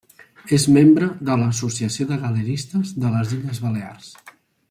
És membre de l'Associació de Galeristes de les Illes Balears.